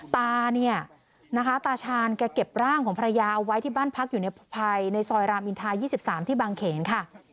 ตาเนี่ยนะคะตาชาญแกเก็บร่างของภรรยาเอาไว้ที่บ้านพักอยู่ในภายในซอยรามอินทา๒๓ที่บางเขนค่ะ